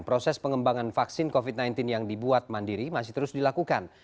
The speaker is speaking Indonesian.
proses pengembangan vaksin covid sembilan belas yang dibuat mandiri masih terus dilakukan